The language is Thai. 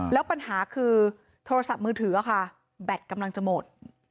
แล้วปัญหาคือโทรศัพท์มือถือค่ะแบตกำลังจะหมด